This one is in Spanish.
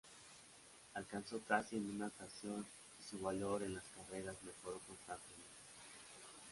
Alcanzó casi en una ocasión, y su valor en las carreras mejoró constantemente.